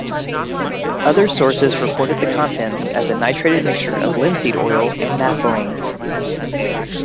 Other sources report the contents as "a nitrated mixture of linseed oil and naphthalenes".